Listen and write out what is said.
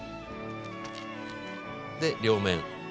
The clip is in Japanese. で両面。